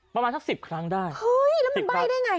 ประมาณสักสิบครั้งได้เฮ้ยแล้วมันใบ้ได้ไง